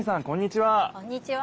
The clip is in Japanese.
こんにちは。